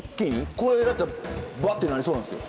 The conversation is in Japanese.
これだってブワッてなりそうなんですけど。